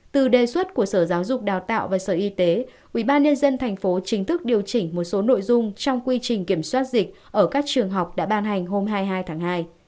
từ đề xuất của sở giáo dục đào tạo và sở y tế ubnd tp chính thức điều chỉnh một số nội dung trong quy trình kiểm soát dịch ở các trường học đã ban hành hôm hai mươi hai tháng hai